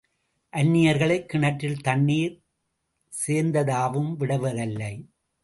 அன்னியர்களைக் கிணற்றில் தண்ணீர் சேந்தவும் விடுவதில்லை.